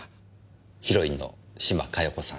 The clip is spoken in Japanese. ヒロインの島加代子さん